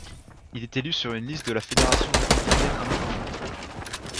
Il est élu sur une liste de la fédération républicaine indépendante.